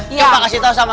ya kasih tahu sama